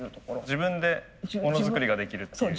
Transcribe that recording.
自分でモノづくりができるっていう。